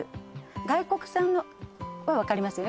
外国産のは分かりますよね？